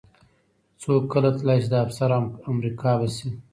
څوک کله تلی شي د افسر همرکابه شي.